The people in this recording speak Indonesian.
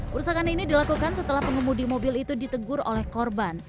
perusakan ini dilakukan setelah pengemudi mobil itu ditegur oleh korban